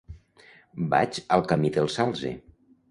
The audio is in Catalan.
Vaig al camí del Salze.